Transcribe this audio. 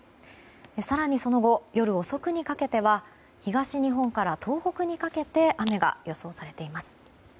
更にその後、夜遅くにかけては東日本から東北にかけて雨が予想されています。